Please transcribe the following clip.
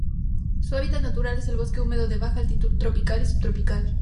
Su hábitat natural es el bosque húmedo de baja altitud tropical o subtropical.